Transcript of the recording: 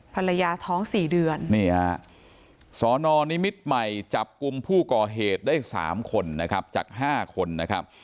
ภรรยาท้อง๔เดือนนี่ฮะสนนิมิตรใหม่จับกลุ่มผู้ก่อเหตุได้๓คนนะครับจาก๕คนนะครับ